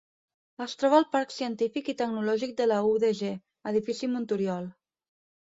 Es troba al Parc Científic i Tecnològic de la UdG, Edifici Monturiol.